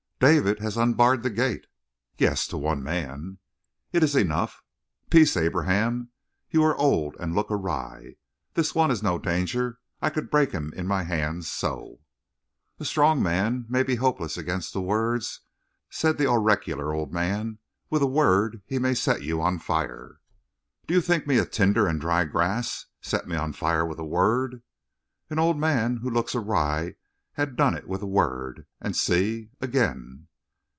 "David has unbarred the gate." "Yes, to one man." "It is enough." "Peace, Abraham. You are old and look awry. This one man is no danger. I could break him in my hands so!" "A strong man may be hopeless against words," said the oracular old man. "With a word he may set you on fire." "Do you think me a tinder and dry grass? Set me on fire with a word?" "An old man who looks awry had done it with a word. And see again!"